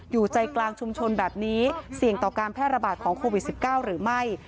อยู่ใจกลางชุมชนแบบนี้เสี่ยงต่อการแพร่ระบาดของโควิด๑๙หรือไม่